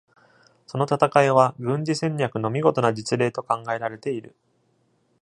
その戦いは軍事戦略の見事な実例と考えられている。